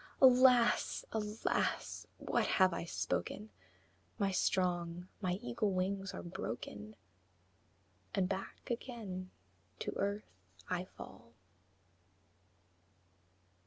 Alas! alas! what have I spoken? My strong, my eagle wings are broken, And back again to earth I fall!